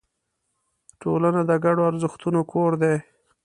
ټولنه د ګډو ارزښتونو کور دی.